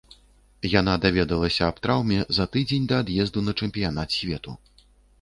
Яна даведалася аб траўме за тыдзень да ад'езду на чэмпіянат свету.